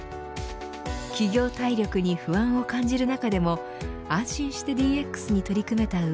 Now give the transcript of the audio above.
企業体力に不安を感じる中でも安心してＤＸに取り組めた上